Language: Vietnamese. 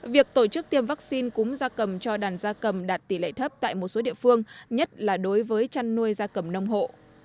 việc tổ chức tiêm vaccine cúm da cầm cho đàn gia cầm đạt tỷ lệ thấp tại một số địa phương nhất là đối với chăn nuôi da cầm nông hộ